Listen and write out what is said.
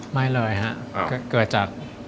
ไม่เลยฮะเกิดจาก